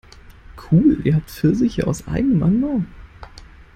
Cool, ihr habt Pfirsiche aus eigenem Anbau?